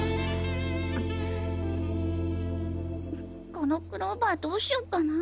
このクローバーどうしよっかな？